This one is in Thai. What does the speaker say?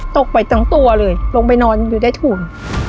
ตกไปทั้งตัวเลยลงไปนอนอยู่ใต้ถุน